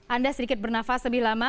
anda sedikit bernafas lebih lama